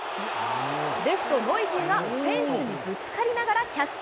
レフト、ノイジーがフェンスにぶつかりながらキャッチ。